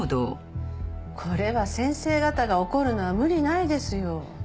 これは先生方が怒るのは無理ないですよ。